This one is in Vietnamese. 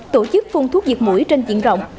tổ chức phun thuốc diệt mũi trên diện rộng